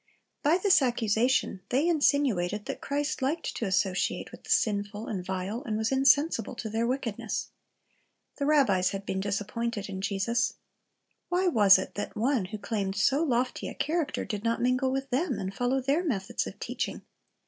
By this accusation they insinuated that Christ liked to associate with the sinful and vile, and was insensible to their wickedness. The rabbis had been disappointed in Jesus. Why was it that one who claimed so lofty a character, did not mingle with them, and follow their methods of teaching?